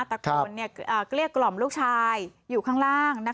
ตะโกนก็เรียกกล่อมลูกชายอยู่ข้างล่าง